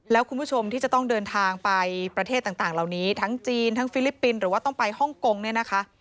แล้วคุณผู้ชมที่จะต้องเดินทางไปประเทศต่างเหล่านี้ทั้งจีนทั้งฟิลิปปินส์หรือว่าต้องไปฮ่องกงเนี่ยนะคะ